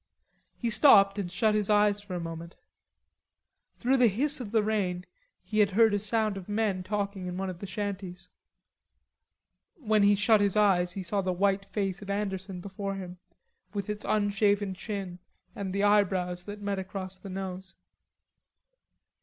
He stopped and shut his eyes for a moment; through the hiss of the rain he had heard a sound of men talking in one of the shanties. When he shut his eyes he saw the white face of Anderson before him, with its unshaven chin and the eyebrows that met across the nose.